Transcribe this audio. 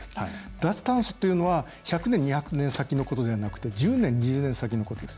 脱炭素というのは１００年、２００年先のことではなくて１０年、２０年先のことです。